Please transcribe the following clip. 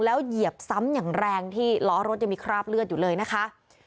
แล้วเหยียบซ้ำอย่างแรงที่ล้อรถยังมีคราบเลือดอยู่เลยนะคะ